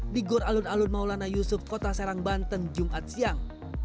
di gor alun alun maulana yusuf kota serang banten jumat siang